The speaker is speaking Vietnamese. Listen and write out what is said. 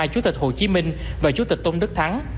chủ tịch hồ chí minh và chủ tịch tôn đức thắng